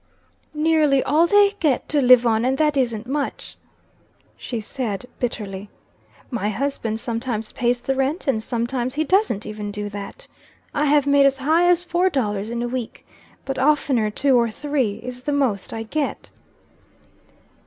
"Nearly all they get to live on, and that isn't much," she said bitterly. "My husband sometimes pays the rent, and sometimes he doesn't even do that. I have made as high as four dollars in a week, but oftener two or three is the most I get."